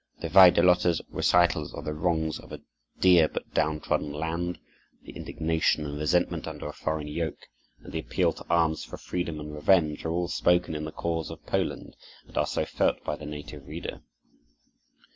The Wajdelote's recitals of the wrongs of a dear but downtrodden land, the indignation and resentment under a foreign yoke, and the appeal to arms for freedom and revenge, are all spoken in the cause of Poland, and are so felt by the native reader.